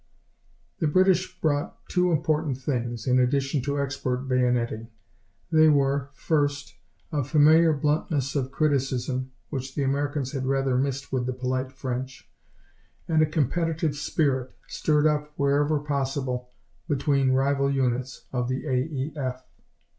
The British brought two important things, in addition to expert bayoneting. They were, first, a familiar bluntness of criticism, which the Americans had rather missed with the polite French, and a competitive spirit, stirred up wherever possible between rival units of the A. E. F.